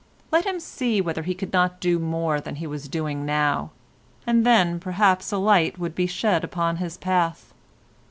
Let him see whether he could not do more than he was doing now, and then perhaps a light would be shed upon his path.